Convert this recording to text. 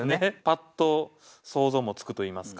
パッと想像もつくといいますか。